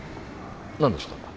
何ですか？